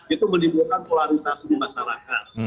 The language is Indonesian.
itu menimbulkan polarisasi di masyarakat